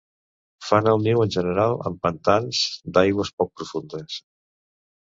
Fan el niu en general en pantans d'aigües poc profundes.